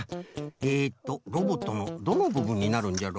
えっとロボットのどのぶぶんになるんじゃろ？